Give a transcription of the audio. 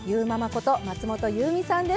こと松本ゆうみさんです。